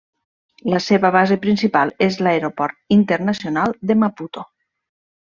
La seva base principal és l'Aeroport Internacional de Maputo.